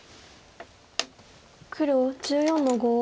黒１４の五。